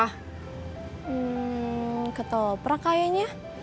hmm ketoprak kayaknya